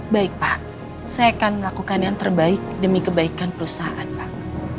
baik pak saya akan melakukan yang terbaik demi kebaikan perusahaan pak